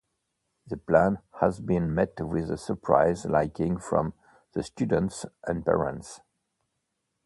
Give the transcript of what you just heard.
The plan has been met with a surprise liking from the students and parents.